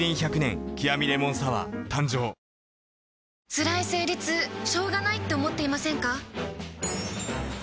つらい生理痛しょうがないって思っていませんか？